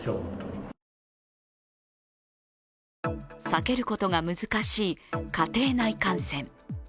避けることが難しい家庭内感染。